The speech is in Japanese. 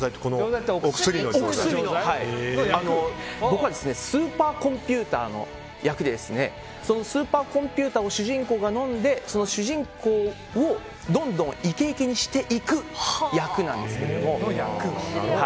僕はスーパーコンピューターの役でスーパーコンピューターを主人公が飲んで、その主人公をどんどんイケイケにしていく役なんですけど。